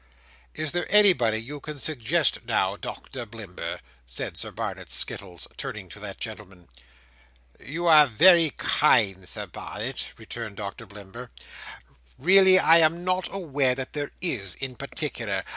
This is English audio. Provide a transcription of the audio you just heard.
"Is there anybody you can suggest now, Doctor Blimber?" said Sir Barnet Skettles, turning to that gentleman. "You are very kind, Sir Barnet," returned Doctor Blimber. "Really I am not aware that there is, in particular.